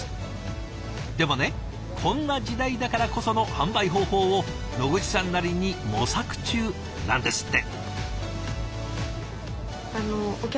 でもねこんな時代だからこその販売方法を野口さんなりに模索中なんですって。